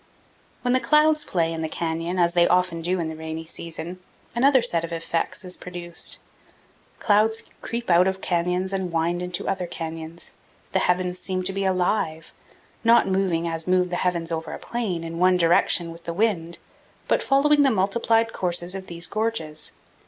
When the clouds play in the canyon, as they often do in the rainy season, another set of effects is produced. Clouds creep out of canyons 394 CANYONS OF THE COLORADO. and wind into other canyons. The heavens seem to be alive, not moving as move the heavens over a plain, in one direction with the wind, but following the multiplied courses of these gorges.